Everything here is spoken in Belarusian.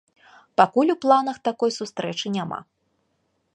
Пакуль у планах такой сустрэчы няма.